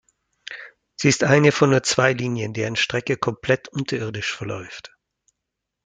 Sie ist eine von nur zwei Linien, deren Strecke komplett unterirdisch verläuft.